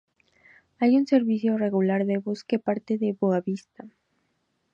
Hay un servicio regular de bus que parte de Boa Vista.